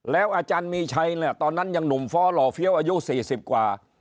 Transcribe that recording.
อาจารย์มีชัยเนี่ยตอนนั้นยังหนุ่มฟ้อหล่อเฟี้ยวอายุ๔๐กว่า